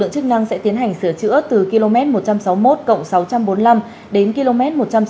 chức năng sẽ tiến hành sửa chữa từ km một trăm sáu mươi một sáu trăm bốn mươi năm đến km một trăm sáu mươi hai ba trăm tám mươi